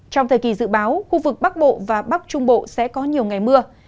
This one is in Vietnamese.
trong thời kỳ dự báo khu vực bắc bộ và bắc trung bộ sẽ có nhiều ngày mưa